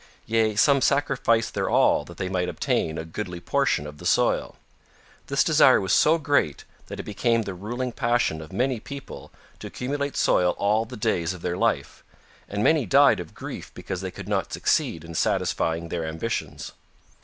Yea, some sacrificed their all that they might obtain a goodly portion of the soil. This desire was so great that it became the ruling passion of many people to accumulate soil all the days of their life, and many died of grief because they could not succeed in satisfying their ambitions.